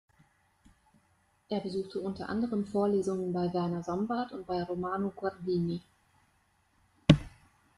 Er besuchte unter anderem Vorlesungen bei Werner Sombart und bei Romano Guardini.